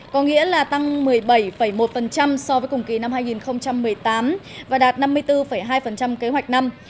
có nghĩa là tăng một mươi bảy một so với cùng kỳ năm hai nghìn một mươi tám và đạt năm mươi bốn hai kế hoạch năm